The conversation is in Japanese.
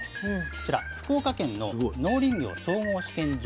こちら福岡県の農林業総合試験場